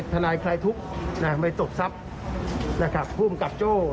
ไปตกซับภูมิกับโจ้